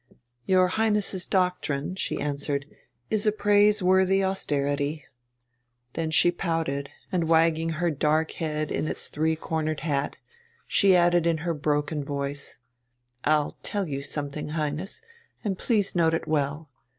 "Your Highness's doctrine," she answered, "is a praiseworthy austerity." Then she pouted, and, wagging her dark head in its three cornered hat, she added in her broken voice: "I'll tell you something, Highness, and please note it well.